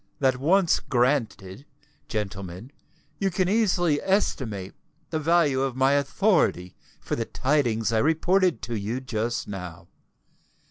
That once granted, gentlemen, you can easily estimate the value of my authority for the tidings I reported to you just now.